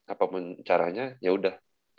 apapun caranya ya udah